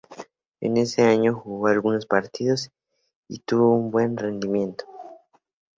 En ese año, jugó algunos partidos y tuvo un buen rendimiento.